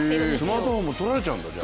スマートフォンも取られちゃうんだ。